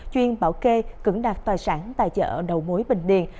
chuyên bảo kê cứng đạt tài sản tài trợ đầu mối bình điền